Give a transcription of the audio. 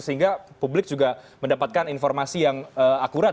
sehingga publik juga mendapatkan informasi yang akurat